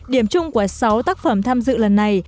điểm chung của sáu tác phẩm tham dự lần này